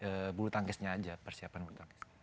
fokus lagi di blue tankist nya aja persiapan gue